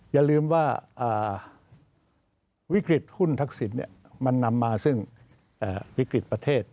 อย่าลืมว่าวิกฤตหุ้นทักษิณมันนำมาซึ่งวิกฤตประเทศ